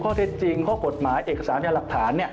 ข้อเท็จจริงข้อกฎหมายเอกสารพยานหลักฐาน